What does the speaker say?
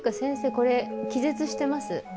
これ気絶してます。